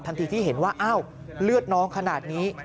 ทันทีที่เห็นว่าเลือดน้องขนาดนี้